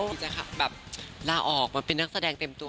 ที่จะแบบลาออกมาเป็นนักแสดงเต็มตัว